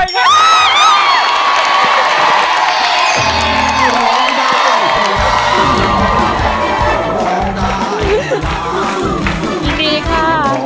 ยินดีค่ะ